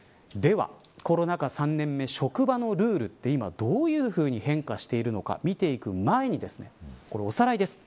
コロナ禍３年目、職場のルールは今どんなふうに変化しているのか見ていく前におさらいです。